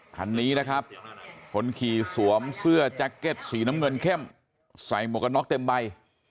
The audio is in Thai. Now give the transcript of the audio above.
คันนี้นะครับคนขี่สวมเสื้อแจ็คเก็ตสีน้ำเงินเข้มใส่หมวกกันน็อกเต็มใบ